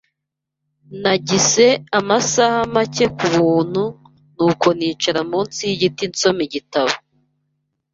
Nagize amasaha make ku buntu, nuko nicara munsi yigiti nsoma igitabo .